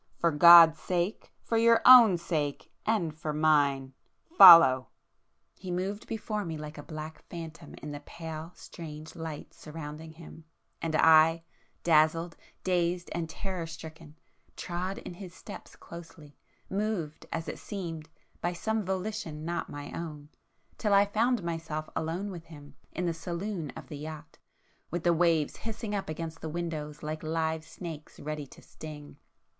For God's sake, for your own sake, and for mine! Follow!" He moved before me like a black phantom in the pale strange light surrounding him,—and I, dazzled, dazed and terror stricken, trod in his steps closely, moved, as it seemed by some volition not my own, till I found myself alone with him in the saloon of the yacht, with the waves hissing up against the windows like live snakes ready to sting.